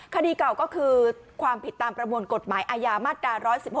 คดีเก่าก็คือความผิดตามประมวลกฎหมายอาญามาตรา๑๑๖